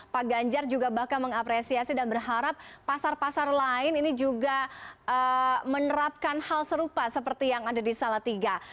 pak ganjar juga bahkan mengapresiasi dan berharap pasar pasar lain ini juga menerapkan hal serupa seperti yang ada di salatiga